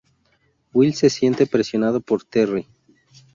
Will se siente presionado por Terri.